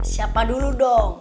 siapa dulu dong